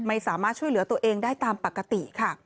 ไม่สามารถช่วยเหลือตัวเองได้ตามปกติค่ะ